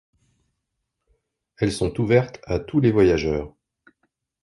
Elles sont ouvertes à tous les voyageurs.